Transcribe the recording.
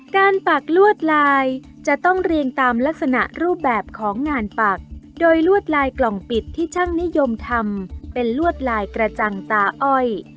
ปักลวดลายจะต้องเรียงตามลักษณะรูปแบบของงานปักโดยลวดลายกล่องปิดที่ช่างนิยมทำเป็นลวดลายกระจังตาอ้อย